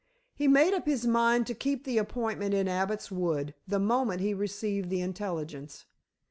He made up his mind to keep the appointment in Abbot's Wood the moment he received the intelligence.